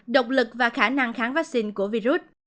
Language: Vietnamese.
độc lực và khả năng kháng vaccine của virus